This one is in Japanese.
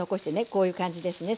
こういう感じですね